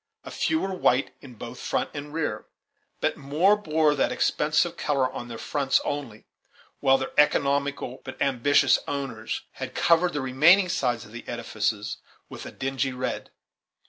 A few were white in both front and rear, but more bore that expensive color on their fronts only, while their economical but ambitious owners had covered the remaining sides of the edifices with a dingy red.